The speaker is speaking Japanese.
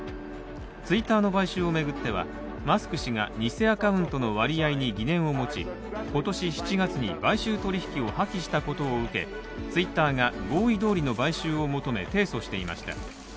ツイッターの買収を巡っては、マスク氏が偽アカウントの割合に疑問を持ち、今年７月に買収取引を破棄したことを受けＴｗｉｔｔｅｒが合意どおりの買収を求め提訴していました。